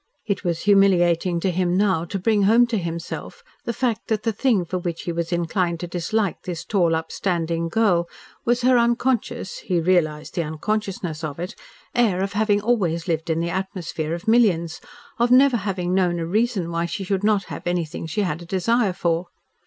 It was humiliating to him now to bring home to himself the fact that the thing for which he was inclined to dislike this tall, up standing girl was her unconscious (he realised the unconsciousness of it) air of having always lived in the atmosphere of millions, of never having known a reason why she should not have anything she had a desire for.